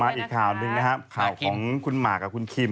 อีกข่าวหนึ่งนะครับข่าวของคุณหมากกับคุณคิม